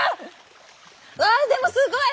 うわでもすごい！